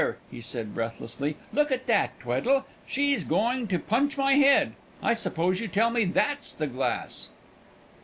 he said, breathlessly, "look at that, Tweddle; she's going to punch my head! I suppose you'll tell me that's the glass?"